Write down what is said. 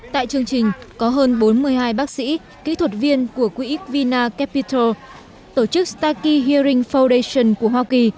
tại chương trình có hơn bốn mươi hai bác sĩ kỹ thuật viên của quỹ vina capital tổ chức starky hering foundation của hoa kỳ